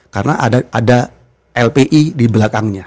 karena ada lpi di belakangnya